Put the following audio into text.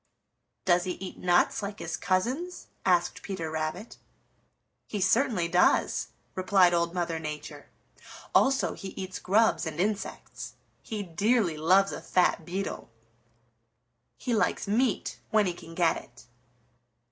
"Does he eat nuts like his cousins?" asked Peter Rabbit. "He certainly does," replied Old Mother Nature. "Also he eats grubs and insects. He dearly loves a fat beetle. He likes meat when he can get it."